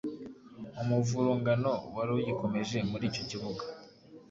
Umuvurungano wari ugikomeje muri icyo kibuga.